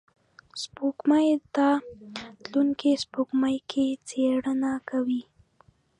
سپوږمۍ ته تلونکي سپوږمکۍ څېړنې کوي